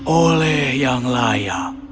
oleh yang layak